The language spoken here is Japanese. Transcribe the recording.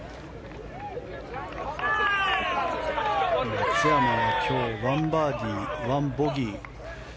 松山は今日１バーディー、１ボギー。